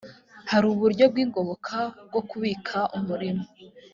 hari buryo bw’ingoboka bwo kubika umuriro